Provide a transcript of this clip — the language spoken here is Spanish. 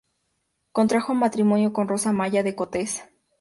Contrajo matrimonio con Rosa Maya de Cotes.